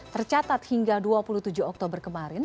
tercatat hingga dua puluh tujuh oktober kemarin